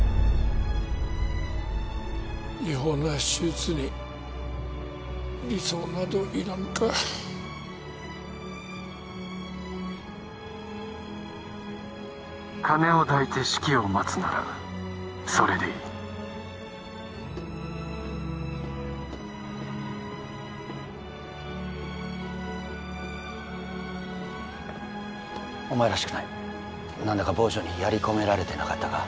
違法な手術に理想などいらんか金を抱いて死期を待つならそれでいいお前らしくない何だか坊城にやり込められてなかったか